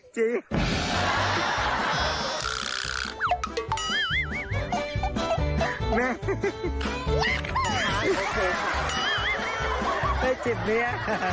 เจ๊จิตนี้